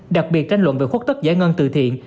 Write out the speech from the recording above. đặc biệt tranh luận về khuất tức giải ngân từ thiện